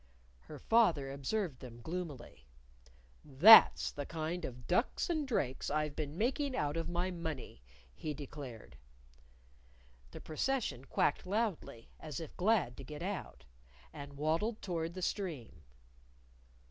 Her father observed them gloomily. "That's the kind of ducks and drakes I've been making out of my money," he declared. The procession quacked loudly, as if glad to get out. And waddled toward the stream.